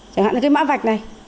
chẳng hạn là cái mã vạch này